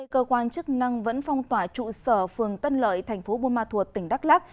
cơ quan chức năng vẫn phong tỏa trụ sở phường tân lợi thành phố buôn ma thuột tỉnh đắk lắc